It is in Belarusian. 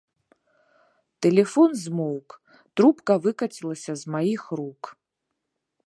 Тэлефон змоўк, трубка выкацілася з маіх рук.